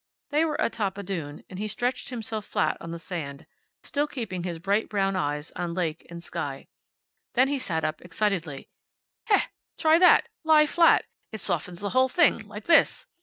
They were atop a dune, and he stretched himself flat on the sand, still keeping his bright brown eyes on lake and sky. Then he sat up, excitedly. "Heh, try that! Lie flat. It softens the whole thing. Like this.